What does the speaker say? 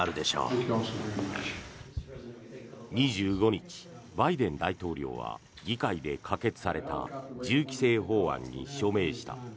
２５日、バイデン大統領は議会で可決された銃規制法案に署名した。